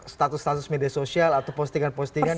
status status media sosial atau postingan postingan